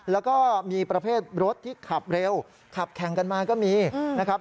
แล้วก็มีประเภทรถที่ขับเร็วขับแข่งกันมาก็มีนะครับ